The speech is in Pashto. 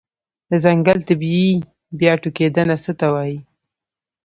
د ځنګل طبيعي بیا ټوکیدنه څه ته وایې؟